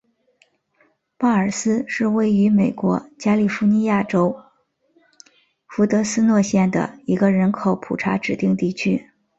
鲍尔斯是位于美国加利福尼亚州弗雷斯诺县的一个人口普查指定地区。